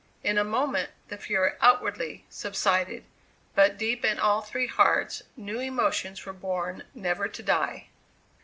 In a moment the fury, outwardly, subsided, but deep in all three hearts new emotions were born never to die.